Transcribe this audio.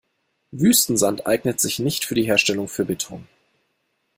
Wüstensand eignet sich nicht für die Herstellung für Beton.